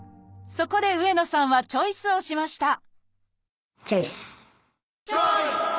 そこで上野さんはチョイスをしましたチョイス！